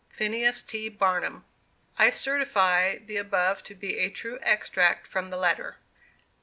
PHINEAS T. BARNUM. I certify the above to be a true extract from the letter.